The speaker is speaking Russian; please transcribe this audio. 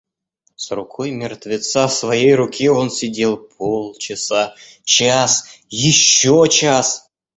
С рукой мертвеца в своей руке он сидел полчаса, час, еще час.